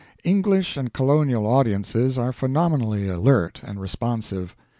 English and colonial audiences are phenomenally alert and responsive.